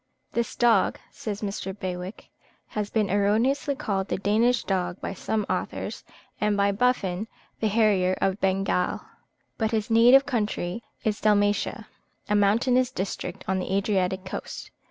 This dog, says Mr. Bewick, has been erroneously called the Danish dog by some authors, and by Buffon the harrier of Bengal; but his native country is Dalmatia, a mountainous district on the Adriatic coast.